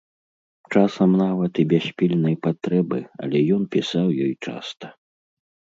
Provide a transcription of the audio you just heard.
Часам нават і без пільнай патрэбы, але ён пісаў ёй часта.